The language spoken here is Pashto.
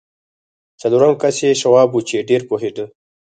څلورم کس یې شواب و چې ډېر پوهېده